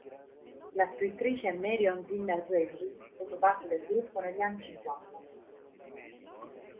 La scrittrice Marion Zimmer Bradley fece parte del gruppo negli anni cinquanta.